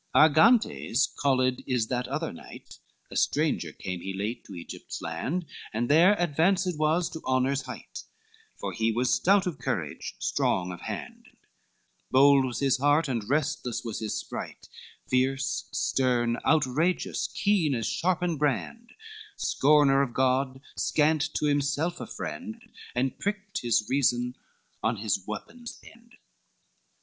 LIX Argantes called is that other knight, A stranger came he late to Egypt land, And there advanced was to honor's height, For he was stout of courage, strong of hand, Bold was his heart, and restless was his sprite, Fierce, stern, outrageous, keen as sharpened brand, Scorner of God, scant to himself a friend, And pricked his reason on his weapon's end.